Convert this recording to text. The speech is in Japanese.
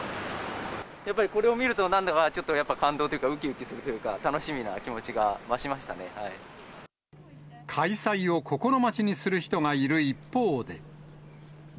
やっぱりこれを見ると、なんだかちょっとやっぱ感動というか、うきうきするというか、開催を心待ちにする人がいる一方で。